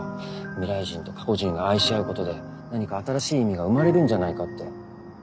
未来人と過去人が愛し合うことで何か新しい意味が生まれるんじゃないかって。